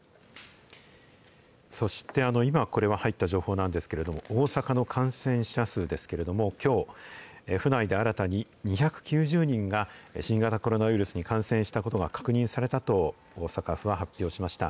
そして今、これは入った情報なんですけれども、大阪の感染者数ですけれども、きょう、府内で新たに２９０人が新型コロナウイルスに感染したことが確認されたと、大阪府は発表しました。